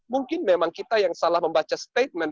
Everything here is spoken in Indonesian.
mungkin memang kita yang salah membaca statement